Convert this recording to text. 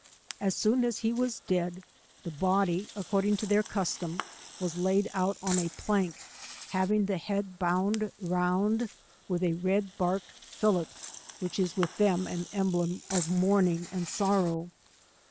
As soon as he was dead, the body, according to their custom, was laid out on a plank, having the head bound round with a red bark fillet, which is with them an emblem of mourning and sorrow.